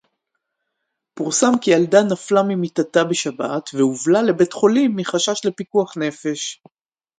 פורסם כי ילדה נפלה ממיטתה בשבת והובלה לבית-חולים מחשש לפיקוח נפש